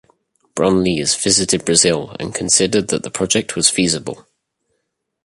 Brunlees visited Brazil and considered that the project was feasible.